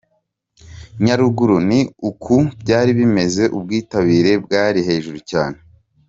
Nyaruguru ni uku byari bimeze, ubwitabire bwari hejuru cyane.